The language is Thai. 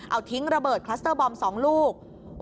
เอาทิ้งระเบิดคลัสเตอร์บอม๒ลูก